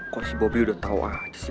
kok si bobby udah tau aja sih